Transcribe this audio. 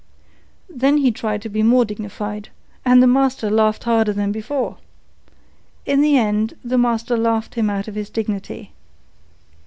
Then he tried to be more dignified, and the master laughed harder than before. In the end, the master laughed him out of his dignity.